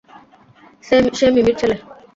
সে মিমি-র ছেলে।